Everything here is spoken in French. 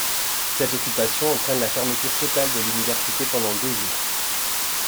Cette occupation entraîne la fermeture totale de l'université pendant deux jours.